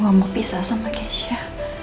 sampai jumpa di video selanjutnya